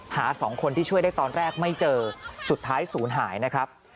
สองคนที่ช่วยได้ตอนแรกไม่เจอสุดท้ายศูนย์หายนะครับ